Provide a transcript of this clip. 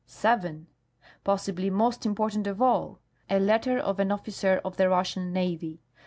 (Possibly most important of all) a letter of an officer of the Russian Navy.